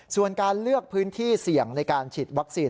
ส่วนการเลือกพื้นที่เสี่ยงในการฉีดวัคซีน